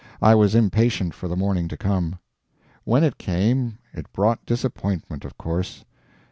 I was impatient for the morning to come. When it came it brought disappointment, of course.